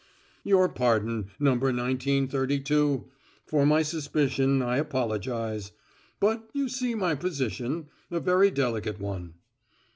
"Your pardon, Number Nineteen Thirty two! For my suspicion I apologize. But, you see my position a very delicate one."